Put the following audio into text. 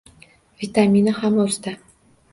Vitamini ham o`zida